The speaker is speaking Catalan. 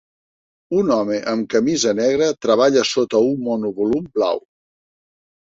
Un home amb camisa negra treballa sota un monovolum blau.